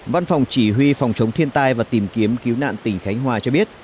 văn phòng chỉ huy phòng chống thiên tai và tìm kiếm cứu nạn tỉnh khánh hòa cho biết